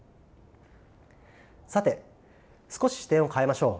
さて少し視点を変えましょう。